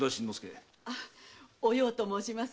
あお葉と申します。